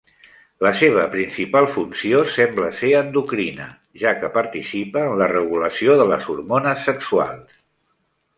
La seva principal funció sembla ser endocrina, ja que participa en la regulació de les hormones sexuals.